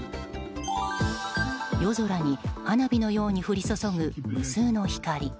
夜空に花火のように降り注ぐ無数の光。